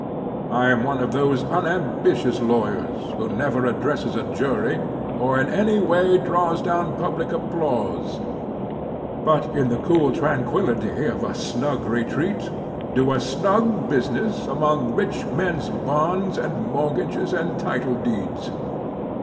I am one of those unambitious lawyers who never addresses a jury, or in any way draws down public applause; but in the cool tranquility of a snug retreat, do a snug business among rich men's bonds and mortgages and title deeds.